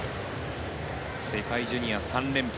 世界ジュニア３連覇。